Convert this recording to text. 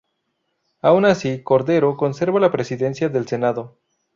Aun así, Cordero conserva la Presidencia del Senado.